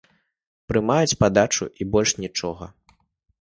Прымаюць падачу, і больш нічога.